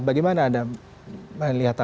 bagaimana anda melihat